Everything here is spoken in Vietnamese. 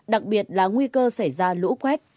đặc biệt là nguy cơ xảy ra lũ quét sạt lở đất